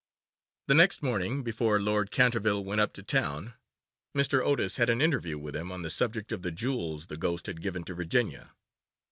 The next morning, before Lord Canterville went up to town, Mr. Otis had an interview with him on the subject of the jewels the ghost had given to Virginia.